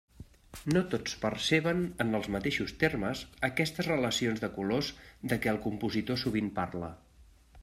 No tots perceben en els mateixos termes aquestes relacions de colors de què el compositor sovint parla.